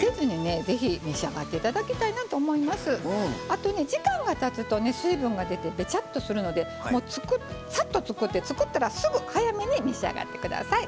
あとね時間がたつとね水分が出てベチャッとするのでサッと作って作ったらすぐ早めに召し上がって下さい。